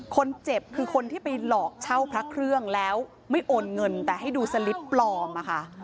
คนเจ็บคือคนที่ไปหลอกเช่าพระเครื่องแล้วไม่โอนเงินแต่ให้ดูสลิปปลอมอะค่ะ